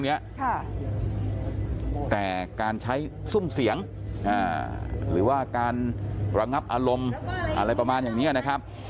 แต่การใช้ซุ่มเสียงหรือว่าการระงับอารมณ์อะไรประมาณอย่างนี้นะครับ